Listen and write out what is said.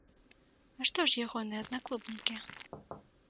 А што ж ягоныя аднаклубнікі?